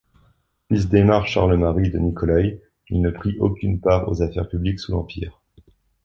Fils d'Aimar-Charles-Marie de Nicolaï, il ne prit aucune part aux affaires publiques sous l'Empire.